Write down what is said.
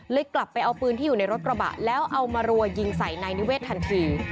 กลับไปเอาปืนที่อยู่ในรถกระบะแล้วเอามารัวยิงใส่นายนิเวศทันที